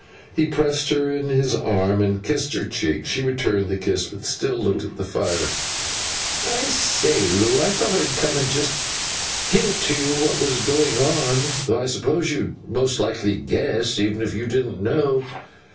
He pressed her in his arm, and kissed her cheek. She returned the kiss, but still looked at the fire. 'I say, Loo! I thought I'd come, and just hint to you what was going on: though I supposed you'd most likely guess, even if you didn't know.